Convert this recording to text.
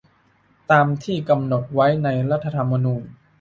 ตามที่กำหนดไว้ในรัฐธรรมนูญ